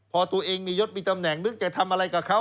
พอตัวเองมียศมีตำแหน่งนึกจะทำอะไรกับเขา